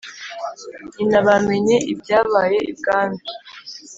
nyina bamenye ibyabaye ibwami